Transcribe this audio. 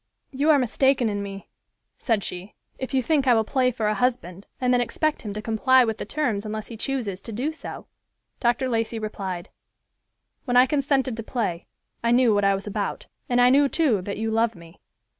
"You are mistaken in me," said she, "if you think I will play for a husband, and then expect him to comply with the terms unless he chooses to do so." Dr. Lacey replied, "When I consented to play, I knew what I was about, and I knew, too, that you love me.